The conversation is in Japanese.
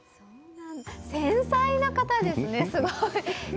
繊細な方ですね、すごい。